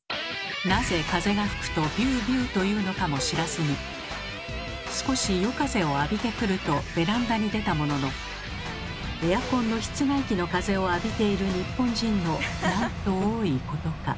なぜ風が吹くと「ビュービュー」というのかも知らずに「少し夜風を浴びてくる」とベランダに出たもののエアコンの室外機の風を浴びている日本人のなんと多いことか。